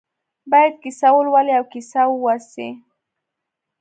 باید کیسه ولولي او کیسه واوسي.